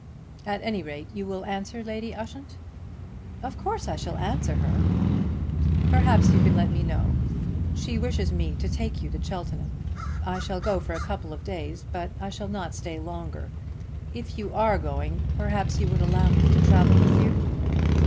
"At any rate you will answer Lady Ushant?" "Of course I shall answer her." "Perhaps you can let me know. She wishes me to take you to Cheltenham. I shall go for a couple of days, but I shall not stay longer. If you are going perhaps you would allow me to travel with you."